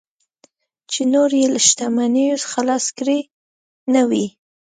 چې نور یې له شتمنیو خلاص کړي نه وي.